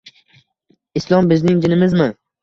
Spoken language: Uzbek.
Islom bizning dinimizmi?